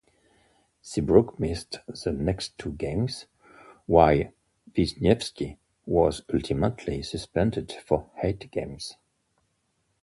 Seabrook missed the next two games, while Wisniewski was ultimately suspended for eight games.